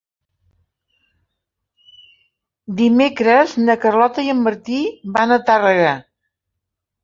Dimecres na Carlota i en Martí van a Tàrrega.